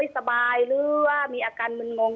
หรือว่าเขาไม่สบายหรือว่ามีอาการมึงงง